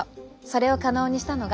それを可能にしたのが。